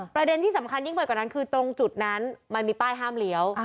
ประเด็นที่สำคัญยิ่งไปกว่านั้นคือตรงจุดนั้นมันมีป้ายห้ามเลี้ยว